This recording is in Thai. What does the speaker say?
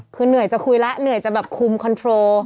คือเหนื่อยจะคุยแล้วเหนื่อยจะแบบคุมคอนโทรล